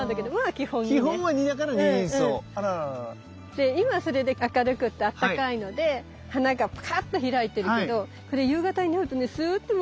で今それで明るくってあったかいので花がパカっと開いてるけどこれ夕方になるとねスゥッとまた閉じちゃうの。